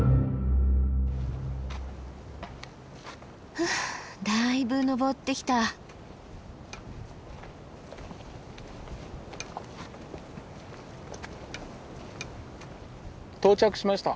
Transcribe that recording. ふうだいぶ登ってきた。到着しました。